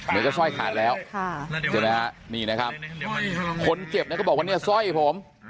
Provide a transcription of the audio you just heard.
เดี๋ยวจะสร้อยขาดแล้วใช่ไหมฮะนี่นะครับคนเจ็บเนี่ยก็บอกว่าเนี่ยสร้อยผม